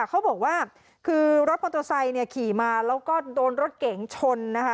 เขาบอกว่ารถมอเตอร์ไซต์ขี่มาและโดนรถเก๋งชน